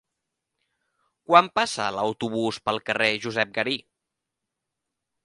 Quan passa l'autobús pel carrer Josep Garí?